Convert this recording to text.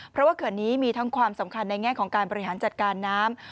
เพราะว่าเขื่อนนี้มีทั้งความสำคัญในแง่ของการบริหารจัดการน้ำ